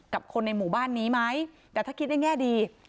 กับคนในหมู่บ้านนี้ไหมแต่ถ้าคิดในแง่ดี